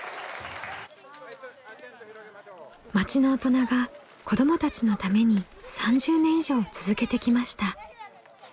町の大人が子どもたちのために３０年以上続けてきました。